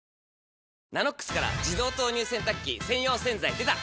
「ＮＡＮＯＸ」から自動投入洗濯機専用洗剤でた！